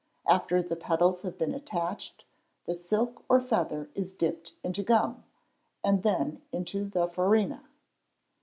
After the petals have been attached, the silk or feather is dipped into gum, and then into the farina.